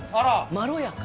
「まろやか」。